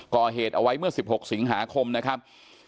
ก่อเหตุเอาไว้เมื่อ๑๖สิงหาคมนะครับ